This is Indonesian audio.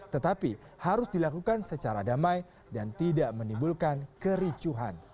tetapi harus dilakukan secara damai dan tidak menimbulkan kericuhan